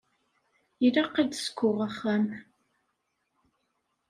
Ilaq ad d-skuɣ axxam.